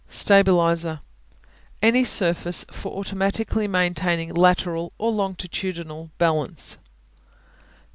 Stabilizer Any surface for automatically maintaining lateral or longitudinal balance.